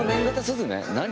何？